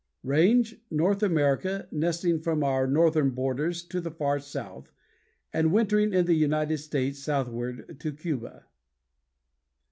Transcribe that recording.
RANGE North America, nesting from our northern boundaries to the far south, and wintering in the United States southward to Cuba.